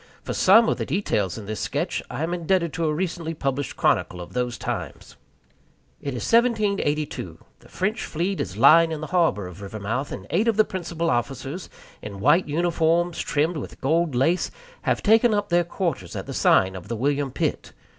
For some of the details in this sketch, I am indebted to a recently published chronicle of those times. It is 1782. The French fleet is lying in the harbor of Rivermouth, and eight of the principal officers, in white uniforms trimmed with gold lace, have taken up their quarters at the sign of the William Pitt.